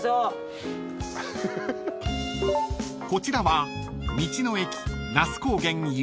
［こちらは］